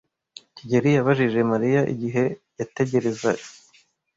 kigeli yabajije Mariya igihe yategereza.